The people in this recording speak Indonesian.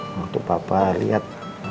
waktu papa lihat